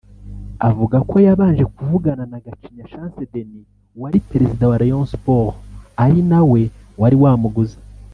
avuga ko yabanje kuvugana na Gacinya Chance Denis wari Perezida wa Rayon Sports ari nawe wari wamuguze